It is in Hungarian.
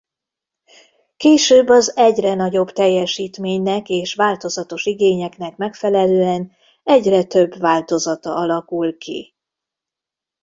Később az egyre nagyobb teljesítménynek és változatos igényeknek megfelelően egyre több változata alakul ki.